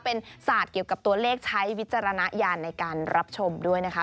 เป็นศาสตร์เกี่ยวกับตัวเลขใช้วิจารณญาณในการรับชมด้วยนะคะ